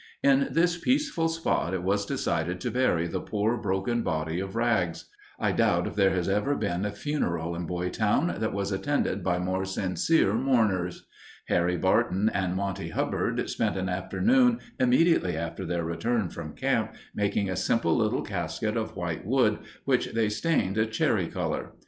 In this peaceful spot it was decided to bury the poor, broken body of Rags. I doubt if there has ever been a funeral in Boytown that was attended by more sincere mourners. Harry Barton and Monty Hubbard spent an afternoon, immediately after their return from camp, making a simple little casket of white wood which they stained a cherry color.